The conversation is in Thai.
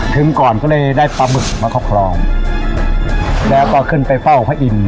ถึงก่อนก็เลยได้ปะหมึกมาครอบครองแล้วก็ขึ้นไปเฝ้าข้าอิง